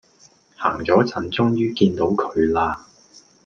行左陣終於見到佢啦